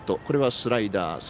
これはスライダー。